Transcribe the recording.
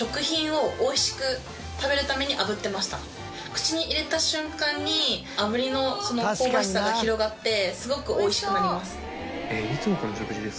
口に入れた瞬間に炙りの香ばしさが広がってすごく美味しくなります。